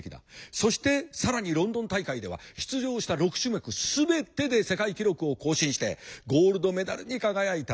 そして更にロンドン大会では出場した６種目全てで世界記録を更新してゴールドメダルに輝いた。